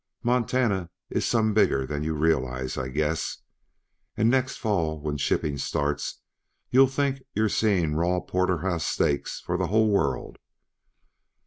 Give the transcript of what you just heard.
Montana is some bigger than you realize, I guess. And next fall, when shipping starts, you'll think you're seeing raw porterhouse steaks for the whole world.